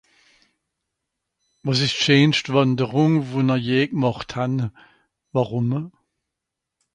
Wàs ìsch d'scheenscht Wànderùng, wo-n-r je gmàcht han ? Warum ?